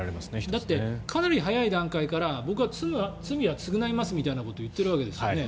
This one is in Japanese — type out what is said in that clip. だってかなり早い段階から僕は罪は償いますみたいなことを言っているわけですよね。